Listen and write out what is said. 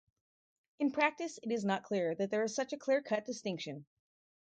In practice it is not clear that there is such a clear-cut distinction.